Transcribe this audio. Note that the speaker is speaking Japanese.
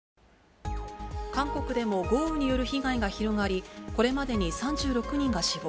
韓国でも豪雨による被害が広がり、これまでに３６人が死亡。